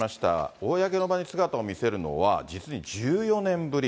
公の場に姿を見せるのは、実に１４年ぶり。